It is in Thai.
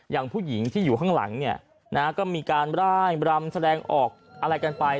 อย่างผู้หญิงที่อยู่ข้างหลังเนี่ยนะฮะก็มีการร่ายรำแสดงออกอะไรกันไป